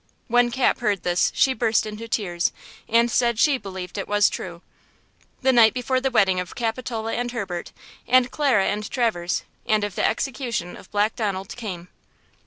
When Cap heard this she burst into tears and said she believed it was true. The night before the wedding of Capitola and Herbert, and Clara and Traverse, and of the execution of Black Donald, came.